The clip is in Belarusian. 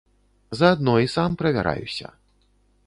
Заадно і сам правяраюся.